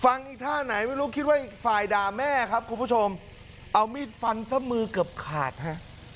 อีท่าไหนไม่รู้คิดว่าอีกฝ่ายด่าแม่ครับคุณผู้ชมเอามีดฟันซะมือเกือบขาดฮะ